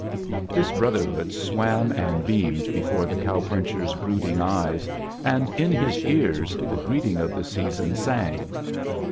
This brotherhood swam and beamed before the cow puncher's brooding eyes, and in his ears the greeting of the season sang.